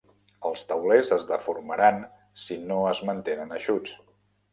Els taulers es deformaran si no es mantenen eixuts.